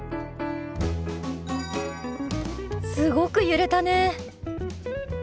すごく揺れたね。